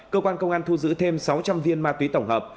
cơ quan công an thu giữ thêm sáu trăm linh viên ma túy tổng hợp